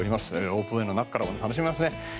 ロープウェーの中からも楽しめますね。